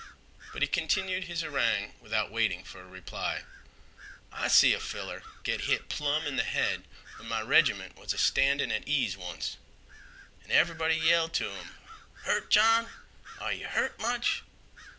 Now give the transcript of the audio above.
But he continued his harangue without waiting for a reply. "I see a feller git hit plum in th' head when my reg'ment was a standin' at ease onct. An' everybody yelled to 'im: 'Hurt, John? Are yeh hurt much?